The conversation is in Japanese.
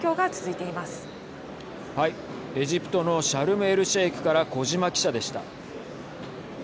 エジプトのシャルムエルシェイクから小島記者でした。